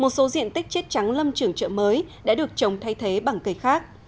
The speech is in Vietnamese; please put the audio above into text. một số diện tích chết trắng lâm trường trợ mới đã được trồng thay thế bằng cây khác